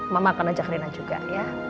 mama akan ajak rina juga ya